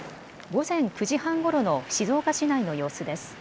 午前９時半ごろの静岡市内の様子です。